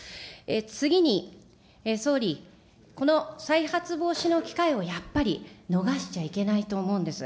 次に、総理、この再発防止の機会をやっぱり逃しちゃいけないと思うんです。